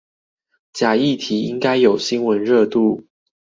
假議題應該有新聞熱度